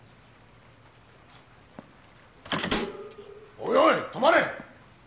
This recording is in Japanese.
おいおい止まれ！